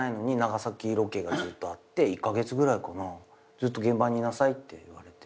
ずっと現場にいなさいって言われて。